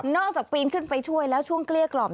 จากปีนขึ้นไปช่วยแล้วช่วงเกลี้ยกล่อม